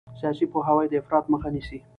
سیاسي پوهاوی د افراط مخه نیسي